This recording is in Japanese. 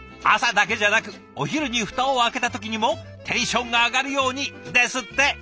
朝だけじゃなくお昼に蓋を開けた時にもテンションが上がるようにですって。